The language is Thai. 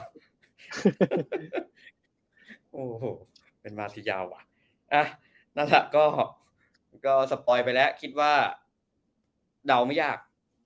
โอ้โหเป็นมาที่ยาวอ่ะนั่นแหละก็สปอยไปแล้วคิดว่าเดาไม่ยาก